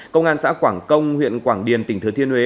công an xã quảng công huyện quảng điền tỉnh thừa thiên huế